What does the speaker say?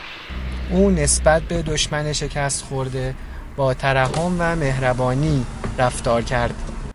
او نسبت به دشمن شکست خورده با ترحم و مهربانی رفتارکرد.